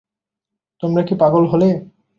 তোমরা কি পাগল হলে?